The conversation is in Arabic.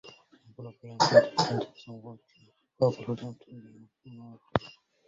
منذ بضعة أيّام، كنتِ تريدين أن تتزوّجي بفاضل، و اليوم تريدين رجلا آخر.